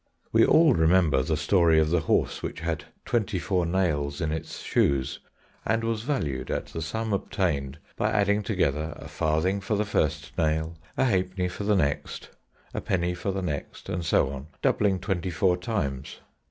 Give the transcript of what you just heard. We all remember the story of the horse which had twenty four nails in its shoes, and was valued at the sum obtained by adding together a farthing for the first nail, a halfpenny for the next, a penny for the next, and so on, doubling twenty four times.